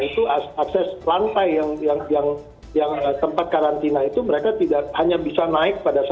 itu as akses lantai yang yang yang yang tempat karantina itu mereka tidak hanya bisa naik pada